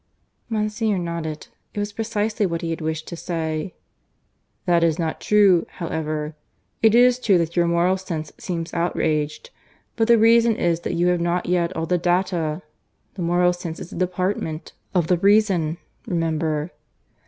Monsignor nodded. It was precisely what he had wished to say. "That is not true, however. It is true that your moral sense seems outraged, but the reason is that you have not yet all the data (the moral sense is a department of the reason, remember).